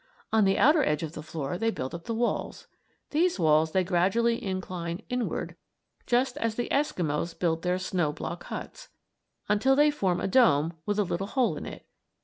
On the outer edge of the floor they build up the walls. These walls they gradually incline inward, just as the Eskimos build their snow block huts, until they form a dome with a little hole in it.